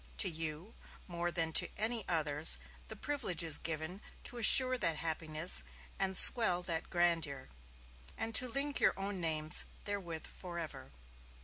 To you, more than to any others, the privilege is given to assure that happiness and swell that grandeur, and to link your own names therewith forever."